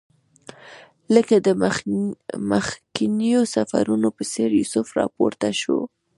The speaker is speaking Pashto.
لکه د مخکنیو سفرونو په څېر یوسف راپورته شو.